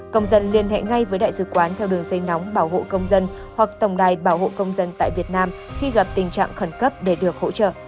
công dân liên hệ ngay với đại dự quán theo đường dây nóng bảo hộ công dân hoặc tổng đài bảo hộ công dân tại việt nam khi gặp tình trạng khẩn cấp để được hỗ trợ